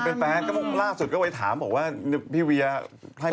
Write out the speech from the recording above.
เป็นแฟนล่าสุดก็ไว้ถามบอกว่าพี่เวียร์ให้ปริญญาไหม